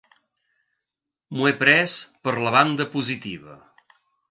M'ho he pres per la banda positiva.